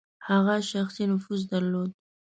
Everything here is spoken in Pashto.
هغه شخصي نفوذ درلود.